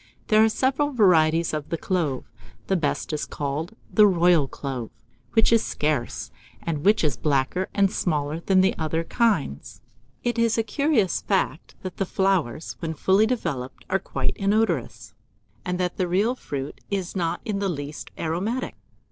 There are several varieties of the clove; the best is called the royal clove, which is scarce, and which is blacker and smaller than the other kinds. It is a curious fact, that the flowers, when fully developed, are quite inodorous, and that the real fruit is not in the least aromatic.